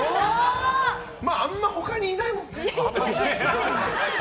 あんま、他にいないもんね。